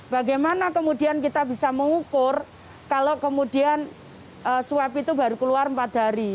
bagaimana kemudian kita bisa mengukur kalau kemudian swab itu baru keluar empat hari